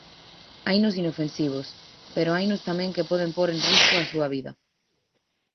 Hainos inofensivos, pero hainos tamén que poden pór en risco a súa vida.